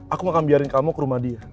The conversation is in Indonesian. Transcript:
aku mau akan biarin kamu ke rumah dia